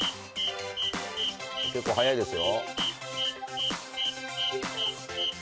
結構速いですよ。